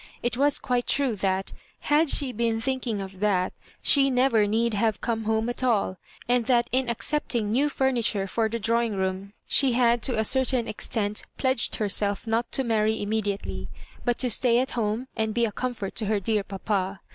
It was quite true that, had she been thinking of tkatj she never need have come home at all ; and that in accepting new furniture for the drawing room, slie had to a certain extent pledged herseU'not to marry Immediately, but to stay at home, and b^ a oornfort to her dear papa.